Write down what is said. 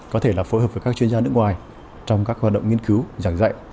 có thể là phối hợp với các chuyên gia nước ngoài trong các hoạt động nghiên cứu giảng dạy